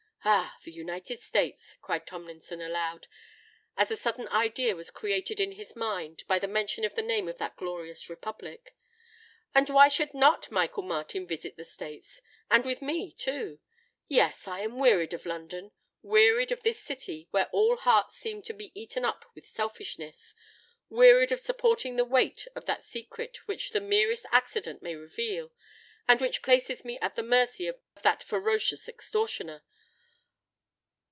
Ah!—the United States!" cried Tomlinson, aloud, as a sudden idea was created in his mind by the mention of the name of that glorious Republic:—"and why should not Michael Martin visit the States—and with me too? Yes! I am wearied of London,—wearied of this city where all hearts seem to be eaten up with selfishness,—wearied of supporting the weight of that secret which the merest accident may reveal, and which places me at the mercy of that ferocious extortioner!